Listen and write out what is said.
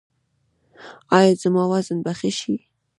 ایا زما وزن به ښه شي؟